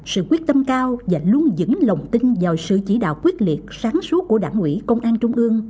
sự quyết tâm cao và luôn dẫn lòng tin vào sự chỉ đạo quyết liệt sáng suốt của đảng ủy công an trung ương